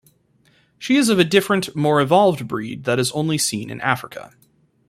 She is of a different, more evolved breed that is only seen in Africa.